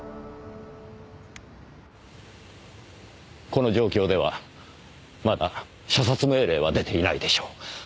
この状況ではまだ射殺命令は出ていないでしょう。